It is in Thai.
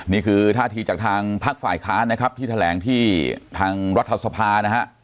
นี่คือท่าทีจากทางพักฝ่ายค้านที่แถลงที่ทางรัฐสภา